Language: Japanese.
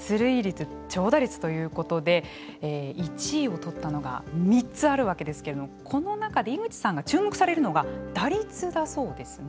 長打率ということで１位を取ったのが３つあるわけですけれどもこの中で井口さんが注目されるのが打率だそうですね。